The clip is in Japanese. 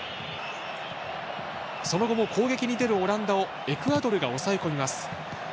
その後も攻撃に出るオランダをエクアドルが抑え込みます。